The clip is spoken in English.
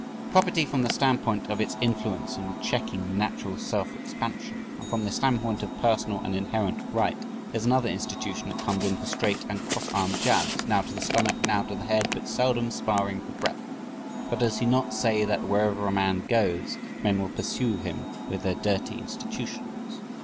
Property from the standpoint of its influence in checking natural self expansion and from the standpoint of personal and inherent right is another institution that comes in for straight and cross arm jabs, now to the stomach, now to the head, but seldom sparring for breath. For does he not say that "wherever a man goes, men will pursue him with their dirty institutions"?